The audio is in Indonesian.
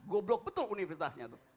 goblok betul universitasnya tuh